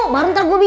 kan udah ada